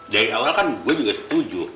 dari awal kan gue juga setuju